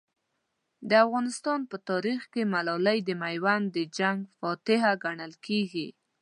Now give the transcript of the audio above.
د افغانستان په تاریخ کې ملالۍ د میوند د جنګ فاتحه ګڼل کېږي.